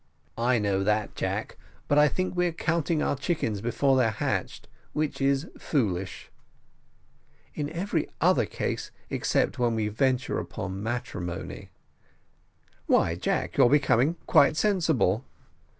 "I know that, Jack; but I think we're counting our chickens before they are hatched, which is foolish." "In every other case except when we venture upon matrimony." "Why, Jack, you're becoming quite sensible."